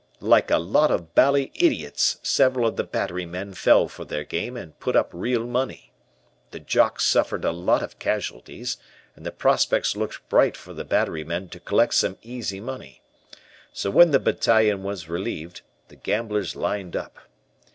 Like a lot of bally idiots several of the battery men fell for their game, and put up real money. The 'Jocks' suffered a lot of casualties, and the prospects looked bright for the battery men to collect some easy money. So when the battalion was relieved, the gamblers lined up.